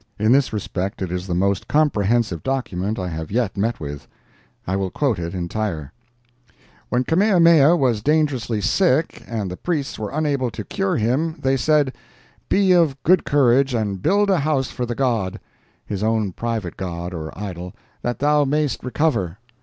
In this respect it is the most comprehensive document I have yet met with. I will quote it entire: "When Kamehameha was dangerously sick and the priests were unable to cure him, they said: 'Be of good courage and build a house for the god' (his own private god or idol) 'that thou mayest recover.'